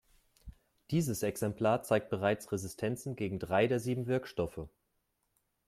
Dieses Exemplar zeigt bereits Resistenzen gegen drei der sieben Wirkstoffe.